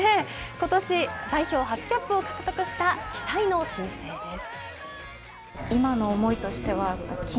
ことし代表初キャップを獲得した期待の新星です。